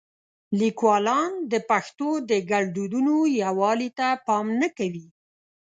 لیکوالان د پښتو د ګړدودونو یووالي ته پام نه کوي.